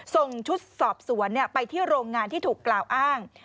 ส่งชุดสอบสวนไปที่โรงงานที่ถูกกล่าวอ้าง